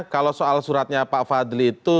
kalau soal suratnya pak fadli itu